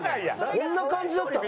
こんな感じだったの？